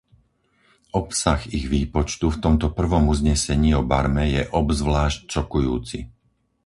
Obsah ich výpočtu v tomto prvom uznesení o Barme je obzvlášť šokujúci.